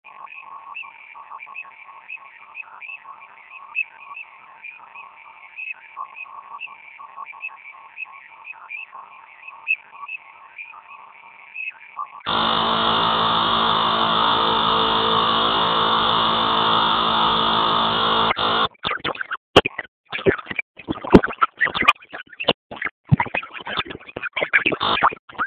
Kulikuwa na ongezeko la bei ya mafuta katika vituo vya kuuzia katika nchi nyingine za Afrika Mashariki.